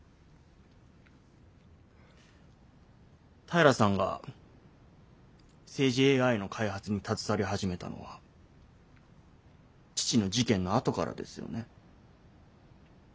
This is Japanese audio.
平さんが政治ＡＩの開発に携わり始めたのは父の事件のあとからですよね？